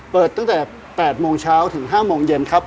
เปิดตั้งแต่๘โมงเช้าถึง๕โมงเย็นครับ